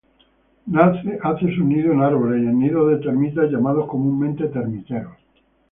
Hace sus nidos en árboles y en nidos de termitas llamados comúnmente termiteros.